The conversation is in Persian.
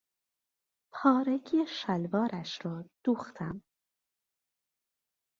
پارگی شلوارش را دوختم.